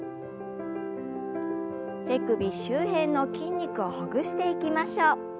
手首周辺の筋肉をほぐしていきましょう。